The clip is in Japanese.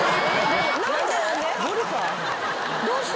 どうして？